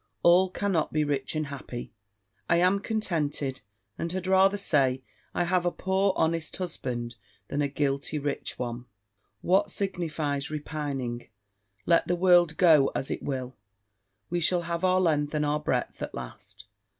All cannot be rich and happy. I am contented, and had rather say, I have a poor honest husband, than a guilty rich one. What signifies repining: let the world go as it will, we shall have our length and our breadth at last.